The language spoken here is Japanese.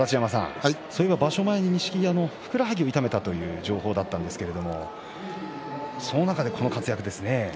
場所前に錦木ふくらはぎを痛めたという情報だったんですけれどもその中でこの活躍ですね。